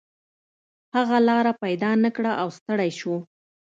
هغه لاره پیدا نه کړه او ستړی شو.